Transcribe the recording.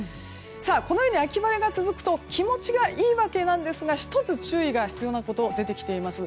このように秋晴れが続くと気持ちがいいわけなんですが１つ注意が必要なことが出てきています。